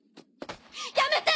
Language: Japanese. やめて！